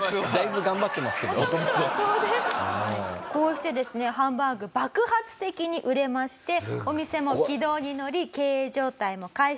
こうしてですねハンバーグ爆発的に売れましてお店も軌道にのり経営状態も回復しました。